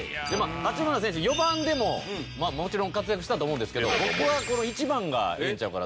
八村選手４番でももちろん活躍したと思うんですけど僕は１番がいいんちゃうかなと思って。